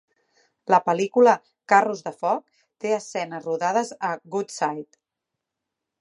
La pel·lícula "Carros de foc" té escenes rodades a Woodside.